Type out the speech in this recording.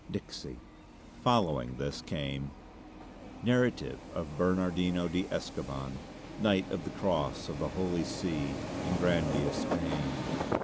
Dixi." Following this came: "Narrative of Bernardino de Escoban, Knight of the Cross of the Holy See and Grandee of Spain.